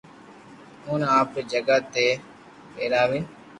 اوني آپري جگھ تي ٻآراوين